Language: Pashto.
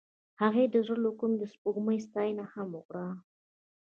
هغې د زړه له کومې د سپوږمۍ ستاینه هم وکړه.